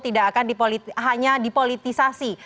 tidak akan dipolitisasi